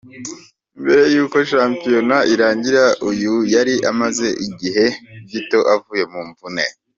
Mbere y’uko shampiyona irangira uyu yari amaze igihe gito avuye mu mvune.